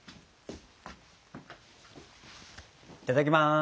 いただきます。